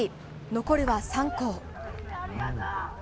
残るは３校。